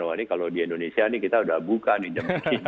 oh ini kalau di indonesia ini kita sudah buka jam ke sini